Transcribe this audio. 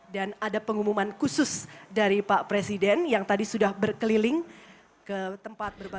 dan ada pengumuman khusus dari pak presiden yang tadi sudah berkeliling ke tempat berbagai tempat